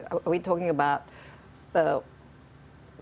apakah kita berbicara tentang